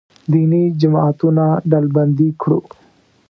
دیني جماعتونه ډلبندي کړو.